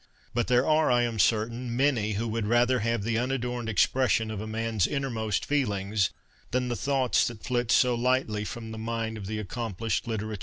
But there are, I am certain, many who would rather have the unadorned expression of a man's inner most feelings than the thoughts that flit so lightly from the mind of the accomplished litterateur.